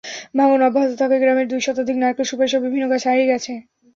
ভাঙন অব্যাহত থাকায় গ্রামের দুই শতাধিক নারকেল, সুপারিসহ বিভিন্ন গাছ হারিয়ে গেছে।